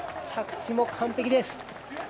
着地も完璧です。